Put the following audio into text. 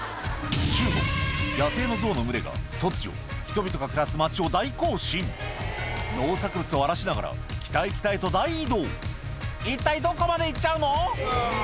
中国野生のゾウの群れが突如人々が暮らす街を大行進農作物を荒らしながら北へ北へと大移動一体どこまで行っちゃうの？